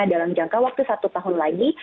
dalam jangka waktu satu tahun lagi